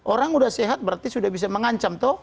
orang sudah sehat berarti sudah bisa mengancam tuh